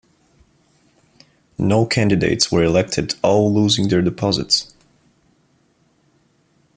No candidates were elected, all losing their deposits.